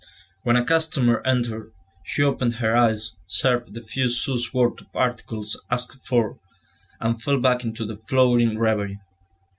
When a customer entered, she opened her eyes, served the few sous worth of articles asked for, and fell back into the floating reverie.